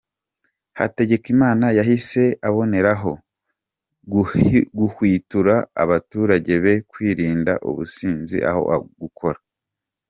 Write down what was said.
Hategekimana yahise aboneraho guhwitura abaturage be kwirinda ubusinzi aho gukora.